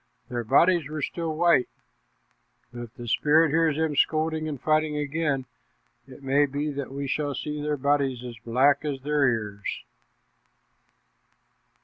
Their bodies were still white, but if the spirit hears them scolding and fighting again, it may be that we shall see their bodies as black as their ears.